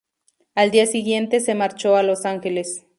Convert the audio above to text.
Al día siguiente se marchó a Los Ángeles.